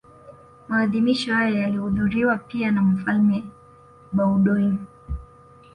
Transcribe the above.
Maadhimisho hayo yalihudhuriwa pia na Mfalme Baudouin